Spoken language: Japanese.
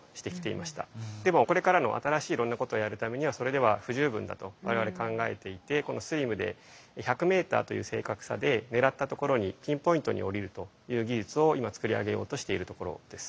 でもこれからの新しいいろんなことをやるためにはそれでは不十分だと我々考えていてこのＳＬＩＭで１００メーターという正確さで狙ったところにピンポイントに降りるという技術を今作り上げようとしているところです。